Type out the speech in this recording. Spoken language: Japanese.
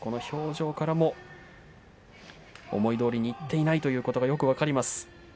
表情からも思いどおりにはいっていないということがよく分かります。